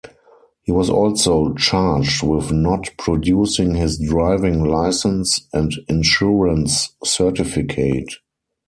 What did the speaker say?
He was also charged with not producing his driving licence and insurance certificate.